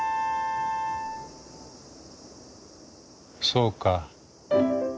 そうか。